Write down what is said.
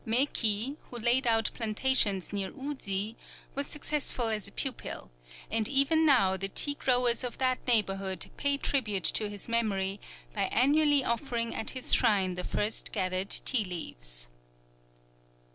Mei ki, who laid out plantations near Uzi, was successful as a pupil, and even now the tea growers of that neighborhood pay tribute to his memory by annually offering at his shrine the first gathered tea leaves.